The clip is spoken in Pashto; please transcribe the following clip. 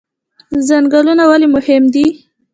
ځنګلونه ولې مهم دي؟